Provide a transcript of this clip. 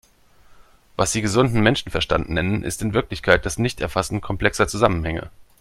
Was Sie gesunden Menschenverstand nennen, ist in Wirklichkeit das Nichterfassen komplexer Zusammenhänge.